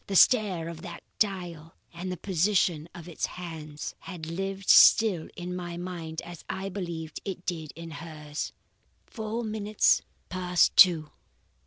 The stare of that dial and the position of its hands had lived still in my mind as I believed it did in hers. "Four minutes past two!